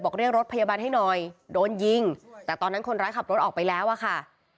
เรียกรถพยาบาลให้หน่อยโดนยิงแต่ตอนนั้นคนร้ายขับรถออกไปแล้วอะค่ะ